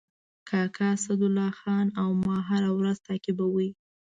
کاکا اسدالله خان او ما هره ورځ تعقیباوه.